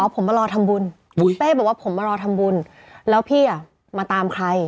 ผมมารอทำบุญเป้บอกว่าผมมารอทำบุญแล้วพี่มาตามใคร